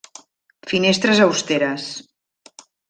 Finestres austeres.